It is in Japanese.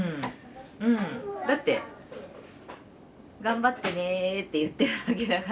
だって頑張ってねって言ってるだけだから。